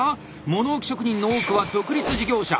物置職人の多くは独立事業者。